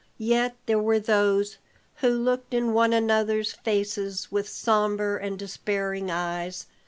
Yet there were those who looked in one another's faces with sombre and despairing eyes.